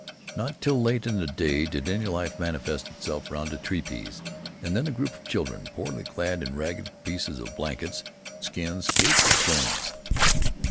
Not till late in the day did any life manifest itself round the tepees, and then a group of children, poorly clad in ragged pieces of blankets and skins, gaped at Jones.